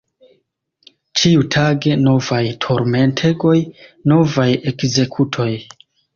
Ĉiutage novaj turmentegoj, novaj ekzekutoj!